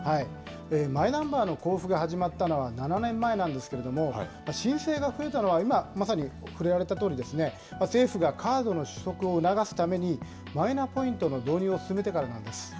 マイナンバーの交付が始まったのは７年前なんですけれども、申請が増えたのは今まさに触れられたとおり、政府がカードの取得を促すために、マイナポイントの導入を進めてからなんです。